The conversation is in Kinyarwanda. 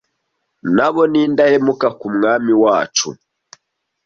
na bo ni indahemuka ku Mwami wacu